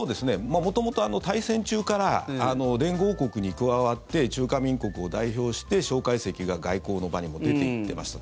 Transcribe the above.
元々、大戦中から連合国に加わって中華民国を代表して蒋介石が外交の場にも出ていってました。